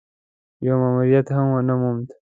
يو ماموريت هم ونه موند.